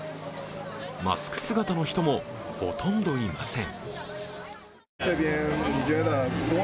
マスク姿の人もほとんどいません。